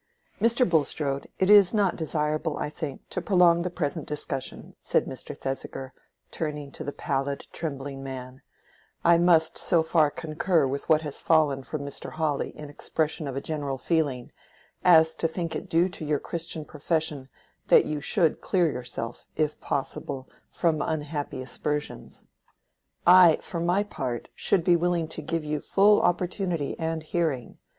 "Mr. Bulstrode, it is not desirable, I think, to prolong the present discussion," said Mr. Thesiger, turning to the pallid trembling man; "I must so far concur with what has fallen from Mr. Hawley in expression of a general feeling, as to think it due to your Christian profession that you should clear yourself, if possible, from unhappy aspersions. I for my part should be willing to give you full opportunity and hearing.